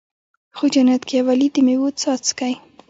خو جنت کې اولي د مَيو څاڅکی